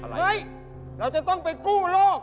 เฮ้ยเราจะต้องไปกู้โลก